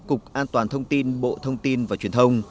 cục an toàn thông tin bộ thông tin và truyền thông